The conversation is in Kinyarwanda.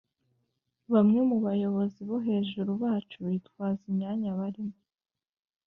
bamwe mu bayobozizi bo hejuru bacu bitwaza imyanya barimo